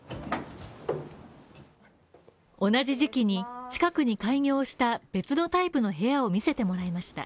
同じ時期に近くに開業した別のタイプの部屋を見せてもらいました。